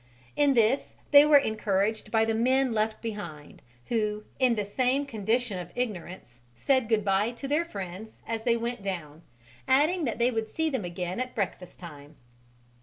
In this they were encouraged by the men left behind, who, in the same condition of ignorance, said good bye to their friends as they went down, adding that they would see them again at breakfast time.